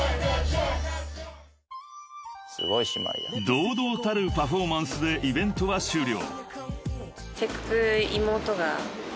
［堂々たるパフォーマンスでイベントは終了］